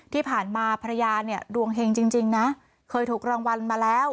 ที่ผ่านมาภรรยาเนี่ยดวงเฮงจริงนะเคยถูกรางวัลมาแล้ว